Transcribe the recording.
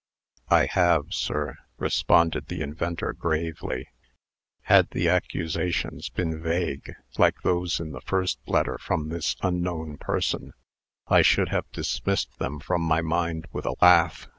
"I have sir," responded the inventor, gravely. "Had the accusations been vague, like those in the first letter from this unknown person, I should have dismissed them from my mind with a laugh.